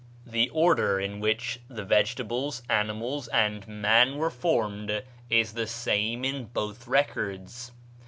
'" The order in which the vegetables, animals, and man were formed is the same in both records.